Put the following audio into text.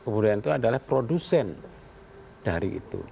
kebudayaan itu adalah produsen dari itu